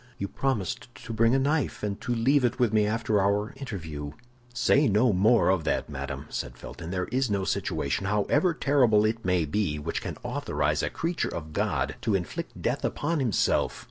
"You promised to bring a knife, and to leave it with me after our interview." "Say no more of that, madame," said Felton. "There is no situation, however terrible it may be, which can authorize a creature of God to inflict death upon himself.